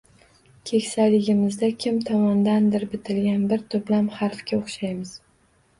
Keksaligimizda kim tomonidandir bitilgan bir to’plam harflarga o’xshaymiz.